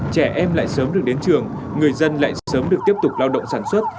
trẻ em lại sớm được đến trường người dân lại sớm được tiếp tục lao động sản xuất